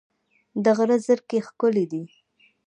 د غره زرکې ښکلې دي